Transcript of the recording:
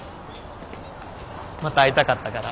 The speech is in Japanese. また会いたかったから。